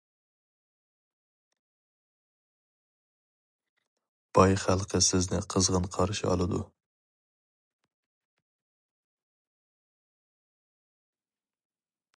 باي خەلقى سىزنى قىزغىن قارشى ئالىدۇ.